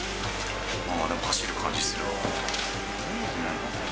でも走る感じするわ。